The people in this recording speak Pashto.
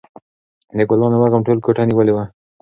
د ګلانو وږم ټوله کوټه نیولې وه.